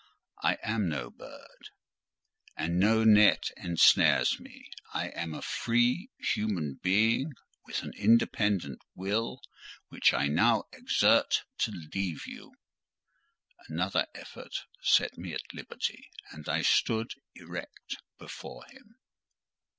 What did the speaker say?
"I am no bird; and no net ensnares me; I am a free human being with an independent will, which I now exert to leave you." Another effort set me at liberty, and I stood erect before him.